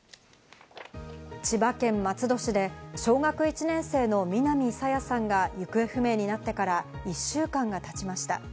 千葉県松戸市で小学１年生の南朝芽さんが行方不明になってから１週間が経ちました。